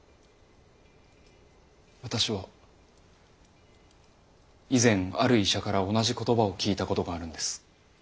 私は以前ある医者から同じ言葉を聞いたことがあるんです。